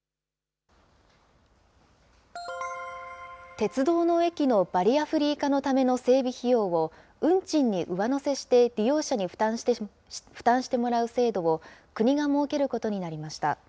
鉄道の駅のバリアフリー化のための整備費用を、運賃に上乗せして利用者に負担してもらう制度を国が設けることになりました。